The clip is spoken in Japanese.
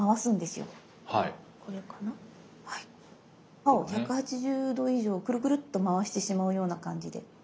刃を１８０°以上クルクルっと回してしまうような感じで。